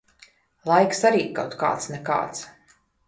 Laiks arī kaut kāds nekāds.